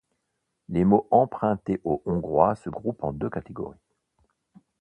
Les mots empruntés au hongrois se groupent en deux catégories.